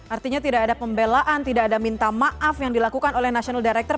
artinya tidak ada pembelaan tidak ada minta maaf yang dilakukan oleh national director